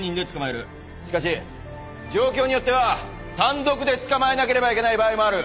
しかし状況によっては単独で捕まえなければいけない場合もある。